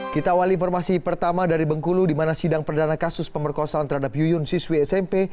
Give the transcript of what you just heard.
kita awal informasi pertama dari bengkulu di mana sidang perdana kasus pemerkosaan terhadap yuyun siswi smp